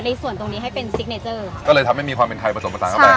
ส่วนตรงนี้ให้เป็นซิกเนเจอร์ค่ะก็เลยทำให้มีความเป็นไทยผสมผสานเข้าไป